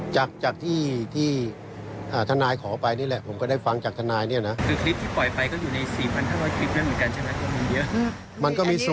จากที่ทนายขอไปนี่แหละผมก็ได้ฟังจากทนายนี่นะ